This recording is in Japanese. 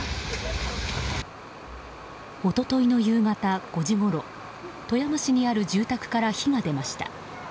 一昨日の夕方５時ごろ富山市にある住宅から火が出ました。